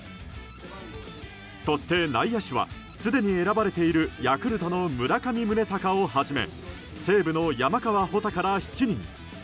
そして内野手はすでに選ばれているヤクルトの村上宗隆をはじめ西武の山川穂高ら７人。